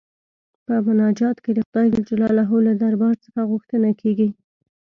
په مناجات کې د خدای جل جلاله له دربار څخه غوښتنه کيږي.